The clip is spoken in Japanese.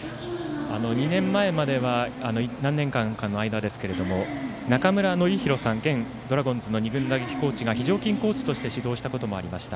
２年前までは何年かの間ですけれども中村紀洋さん現ドラゴンズの２軍打撃コーチが非常勤コーチとして指導したことがありました。